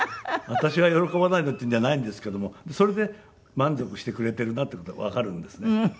私は喜ばないのっていうんじゃないんですけどもそれで満足してくれているなっていう事がわかるんですね。